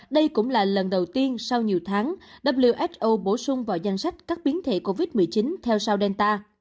đây cũng là lần đầu tiên sau nhiều tháng who bổ sung vào danh sách các biến thể covid một mươi chín theo sau delta